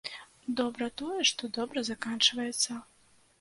Добра тое, што добра заканчваецца.